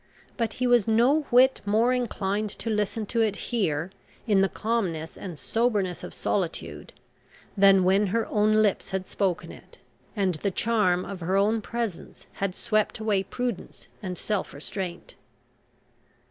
But he was no whit more inclined to listen to it here, in the calmness and soberness of solitude, than when her own lips had spoken it, and the charm of her own presence had swept away prudence and self restraint.